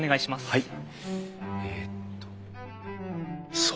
はい。